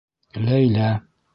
Ләйлә.